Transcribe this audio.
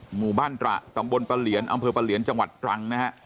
หมู่บ้านตระตำบลปะเหลียนอำเภอปะเหลียนจังหวัดตรังนะฮะ